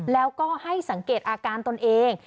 แล้วก็ให้สังเกตอาการตนเอง